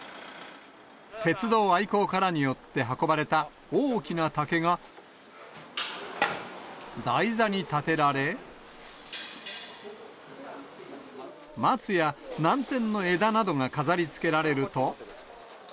鉄道愛好家らによって運ばれた大きな竹が台座に立てられ、松や南天の枝などが飾りつけられると。